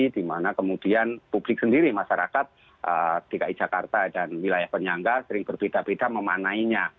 di mana kemudian publik sendiri masyarakat dki jakarta dan wilayah penyangga sering berbeda beda memanainya